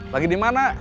lagi di mana